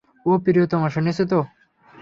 ও প্রিয়তমা, শুনছো তো?